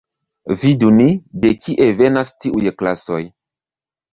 Vidu ni, de kie venas tiuj klasoj.